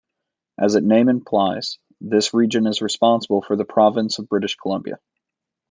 As its name implies, this region is responsible for the province of British Columbia.